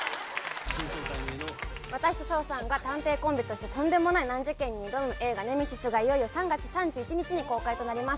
私と翔さんが探偵コンビとしてとんでもない難事件に挑む映画ネメシスが、いよいよ３月３１日に公開となります。